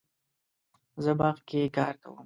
زه باغ کې کار کوم